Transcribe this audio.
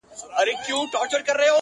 غوجله د عمل ځای ټاکل کيږي او فضا تياره,